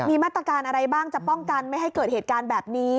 มีมาตรการอะไรบ้างจะป้องกันไม่ให้เกิดเหตุการณ์แบบนี้